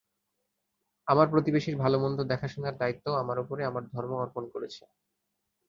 আমার প্রতিবেশীর ভালোমন্দ দেখাশোনার দায়িত্বও আমার ওপরে আমার ধর্ম অর্পণ করেছে।